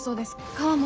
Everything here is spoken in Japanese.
川も。